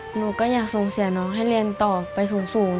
หนูก็อยากส่งเสียน้องให้เรียนต่อไปสูง